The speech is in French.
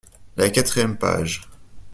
La quatrième page.